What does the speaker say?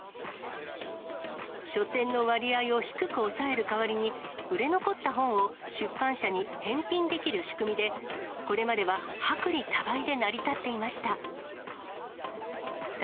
書店の割合を低く抑える代わりに、売れ残った本を出版社に返品できる仕組みで、これまでは薄利多売で成り立っていました。